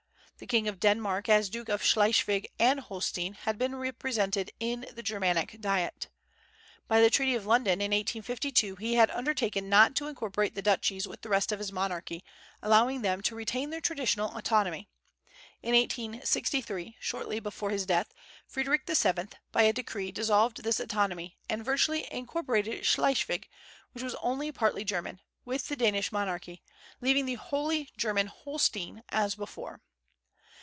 The king of Denmark, as Duke of Schleswig and Holstein, had been represented in the Germanic Diet. By the treaty of London, in 1852, he had undertaken not to incorporate the duchies with the rest of his monarchy, allowing them to retain their traditional autonomy. In 1863, shortly before his death, Frederick VII. by a decree dissolved this autonomy, and virtually incorporated Schleswig, which was only partly German, with the Danish monarchy, leaving the wholly German Holstein as before.